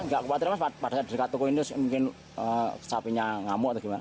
gak kepatiran mas pada dekat toko ini mungkin sapinya ngamuk atau gimana